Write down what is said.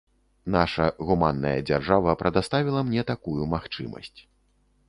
Наша гуманная дзяржава прадаставіла мне такую магчымасць.